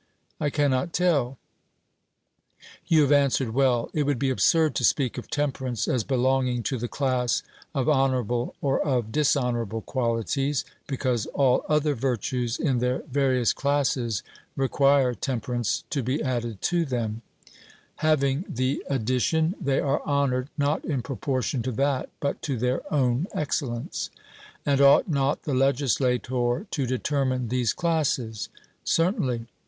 'I cannot tell.' You have answered well. It would be absurd to speak of temperance as belonging to the class of honourable or of dishonourable qualities, because all other virtues in their various classes require temperance to be added to them; having the addition, they are honoured not in proportion to that, but to their own excellence. And ought not the legislator to determine these classes? 'Certainly.'